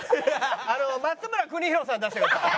あの松村邦洋さん出してください。